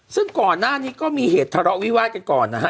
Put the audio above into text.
ซึ่งก่อนหน้านี้ก็มีเหตุทะเลาะวิวาดกันก่อนนะฮะ